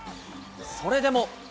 それでも。